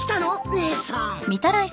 姉さん。